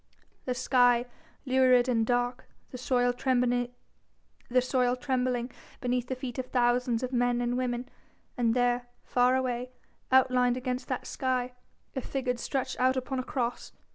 The sky lurid and dark, the soil trembling beneath the feet of thousands of men and women, and there, far away, outlined against that sky, a figure stretched out upon a Cross.